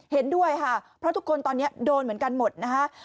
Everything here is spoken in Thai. เห็นด้วยค่ะเพราะทุกคนตอนนี้โดนเหมือนกันหมดนะคะ